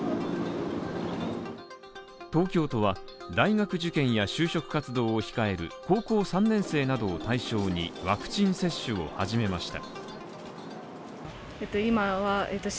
東京都は、大学受験や就職活動を控える高校３年生などを対象にワクチン接種を始めました。